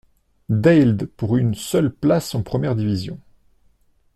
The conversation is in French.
Deild pour une seule place en première division.